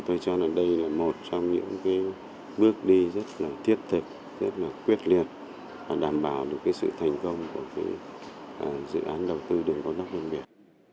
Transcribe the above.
tôi cho là đây là một trong những bước đi rất thiết thực rất quyết liệt và đảm bảo được sự thành công của dự án đầu tư đường con góc ven biển